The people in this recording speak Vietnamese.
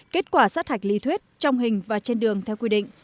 kết quả sát hạch lý thuyết trong hình và trên đường theo quy định